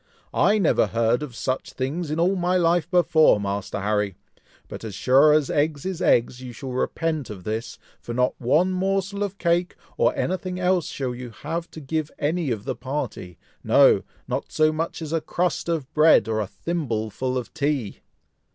"I never heard of such things in all my life before, Master Harry! but as sure as eggs is eggs, you shall repent of this, for not one morsel of cake, or anything else shall you have to give any of the party; no! not so much as a crust of bread, or a thimbleful of tea!"